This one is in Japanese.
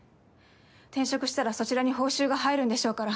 転職したらそちらに報酬が入るんでしょうから。